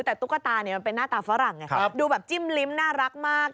แต่ตุ๊กตาเป็นหน้าตาฝรั่งดูแบบจิ้มลิ้มน่ารักมาก